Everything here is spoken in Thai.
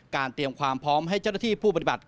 เตรียมความพร้อมให้เจ้าหน้าที่ผู้ปฏิบัติ